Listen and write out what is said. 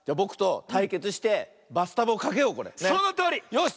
よし！